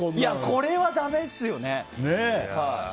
これはだめですよね。